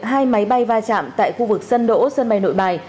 hai máy bay va chạm tại khu vực sân đỗ sân bay nội bài